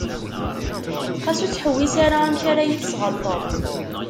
Xas ur ttḥewwis ara amek ara yi-tesɣelṭeḍ.